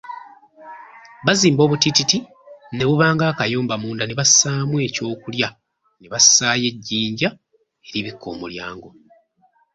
Bazimba obutiititi ne buba ng'akayumba munda ne bassaamu ekyokulya, ne bassaayo ejjinja eribikka omulyango.